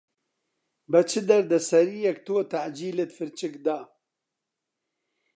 بە چ دەردەسەرییەک تۆ تەعجیلت فرچک دا.